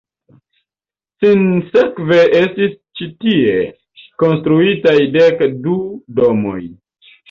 Sinsekve estis ĉi tie konstruitaj dek du domoj.